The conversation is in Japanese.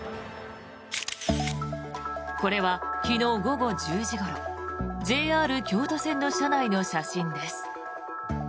これは昨日午後１０時ごろＪＲ京都線の車内の写真です。